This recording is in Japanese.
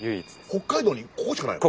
北海道にここしかないの？